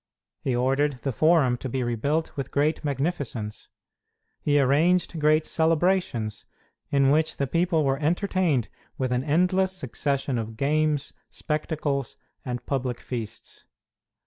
He ordered the Forum to be rebuilt with great magnificence. He arranged great celebrations, in which the people were entertained with an endless succession of games, spectacles, and public feasts.